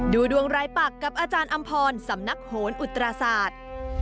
ดูดวงรายปักกับอาจารย์อำพรสำนักโหนอุตราศาสตร์